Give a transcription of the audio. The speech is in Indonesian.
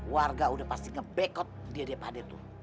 warga udah pasti nge back out dia daripada itu